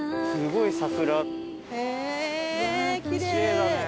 すごい！